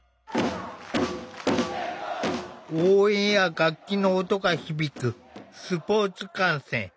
応援や楽器の音が響くスポーツ観戦。